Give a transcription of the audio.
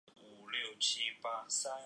育婴假期间